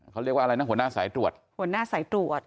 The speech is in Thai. เขาเรียกว่าอะไรนะหัวหน้าสายตรวจหัวหน้าสายตรวจ